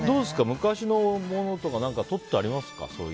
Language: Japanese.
昔のものとかとってありますか？